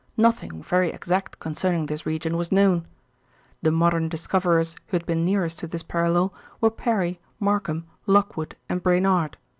Nothing very exact concerning this region was known. The modern discoverers who had been nearest to this parallel were Parry, Markham, Lockwood and Brainard.